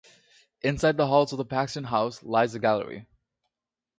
Inside the halls of the Paxton House lies a gallery.